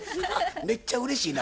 めっちゃうれしいな。